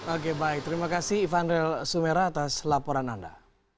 oke baik terima kasih ivanrel sumera atas laporan anda